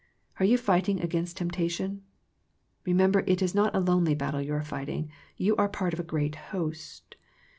Are you fight ing against temptation ? Kemember it is not a lonely battle you are fighting, you are part of a great host.